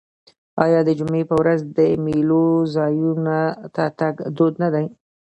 آیا د جمعې په ورځ د میلو ځایونو ته تګ دود نه دی؟